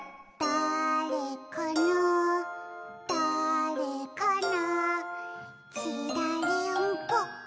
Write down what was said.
「だぁれかなだぁれかな」